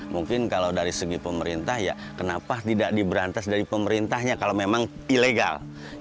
mungkin kalau dari segi pemerintah ya kenapa tidak diberantas dari pemerintahnya kalau memang ilegal